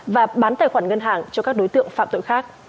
và bán tài khoản ngân hàng cho các đối tượng phạm tội khác